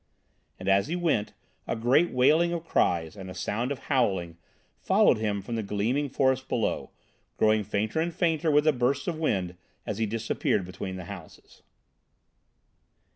And as he went, a great wailing of cries, and a sound of howling, followed him from the gleaming forest below, growing fainter and fainter with the bursts of wind as he disappeared between the houses.